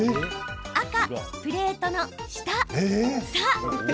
赤・プレートの下。